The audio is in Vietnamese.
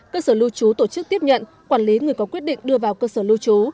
cơ sở lưu trú tổ chức tiếp nhận quản lý người có quyết định đưa vào cơ sở lưu trú